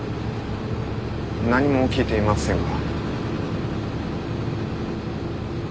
何も聞いていませんが。